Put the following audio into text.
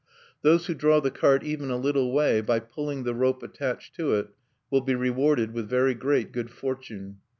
"Those who draw the cart even a little way, by pulling the rope attached to it, will be rewarded with very great good fortune.